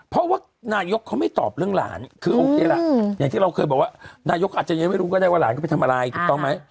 เพราะว่านายกเขาไม่ตอบเรื่องหลานคือโอเคล่ะอย่างที่เราเคยบอกว่านายกอาจจะยังไม่รู้ก็ได้ว่าหลานเขาไปทำอะไรถูกต้องไหม